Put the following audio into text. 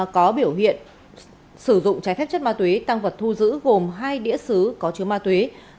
có biểu hiện sử dụng trái phép chất ma túy tăng vật thu giữ gồm hai đĩa xứ có chứa ma túy